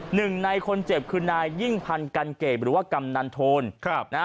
หนึ่งในคนเจ็บคือนายยิ่งพันธ์กันเกรดหรือว่ากำนันโทน